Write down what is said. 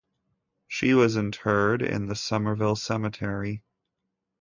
She was interred in the Somerville Cemetery.